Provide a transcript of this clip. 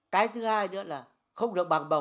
cái thứ hai nữa là không được bằng màu